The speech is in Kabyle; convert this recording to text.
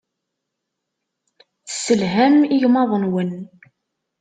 Tesselham igmaḍ-nwen.